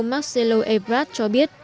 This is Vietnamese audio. marcelo ebrard cho biết